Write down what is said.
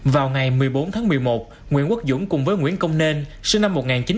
vào ngày một mươi bốn tháng một mươi một nguyễn quốc dũng cùng với nguyễn công nên sinh năm một nghìn chín trăm tám mươi